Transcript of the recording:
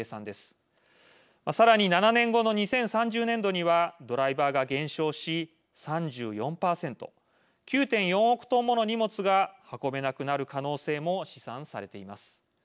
さらに７年後の２０３０年度にはドライバーが減少し３４％９．４億トンもの荷物が運べなくなる可能性も試算されています。